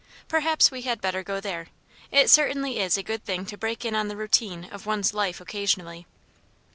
." Perhaps we had better go there. It certainly is a good thing to break in on the routine of one's life occasionally."